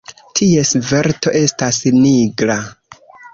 Ties verto estas nigra.